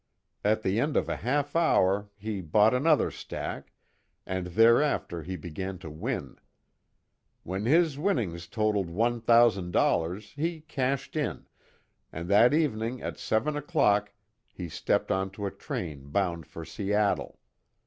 At the end of a half hour he bought another stack, and thereafter he began to win. When his innings totaled one thousand dollars he cashed in, and that evening at seven o'clock he stepped onto a train bound for Seattle.